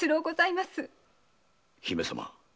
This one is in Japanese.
姫様。